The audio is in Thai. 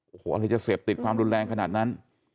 โอ้โหอะไรจะเสพติดความรุนแรงขนาดนั้น